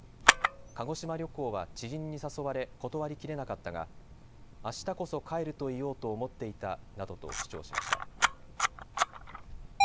鹿児島旅行は知人に誘われ断りきれなかったがあしたこそ帰ると言おうと思っていたなどと主張しました。